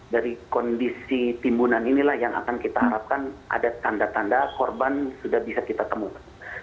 dari kondisi timbunan inilah yang akan kita harapkan ada tanda tanda korban sudah bisa kita temukan